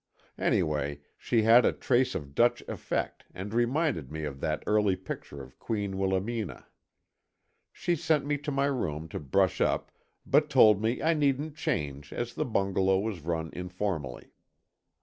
Anyway, she had a trace of Dutch effect and reminded me of that early picture of Queen Wilhelmina. She sent me to my room to brush up but told me I needn't change as the bungalow was run informally.